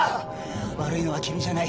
「悪いのは君じゃない。